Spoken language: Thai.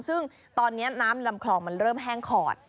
ซึ่งตอนนี้น้ำลำคลองมันเริ่มแห้งขอด